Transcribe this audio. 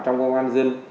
trong công an dân